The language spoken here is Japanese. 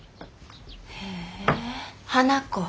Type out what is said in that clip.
へえ花子。